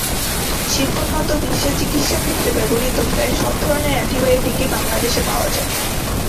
শিল্পোন্নত বিশ্বে চিকিৎসাক্ষেত্রে ব্যবহূত প্রায় সব ধরনের অ্যান্টিবায়োটিকই বাংলাদেশে পাওয়া যায়।